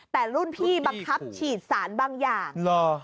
แต่รุ่นพี่บังคับฉีดสารบางอย่างหรอ